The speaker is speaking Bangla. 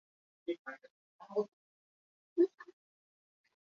তো তুমি এখন বড় মাছ বনে গেছ, অজ?